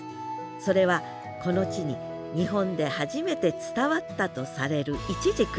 それはこの地に日本で初めて伝わったとされるイチジク。